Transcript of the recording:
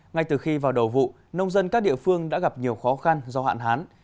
ngay từ khi vào đầu vụ nông dân các địa phương đã gặp nhiều khó khăn do hạn hán